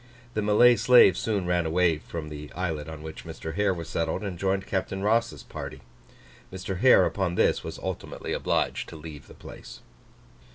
The Malay slaves soon ran away from the islet on which Mr. Hare was settled, and joined Captain Ross's party. Mr. Hare upon this was ultimately obliged to leave the place.